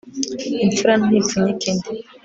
imfura ntipfunyika indi